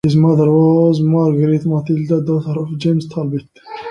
His mother was Margaret Matilda, daughter of James Talbit.